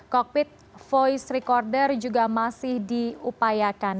cockpit voice recorder juga masih diupayakan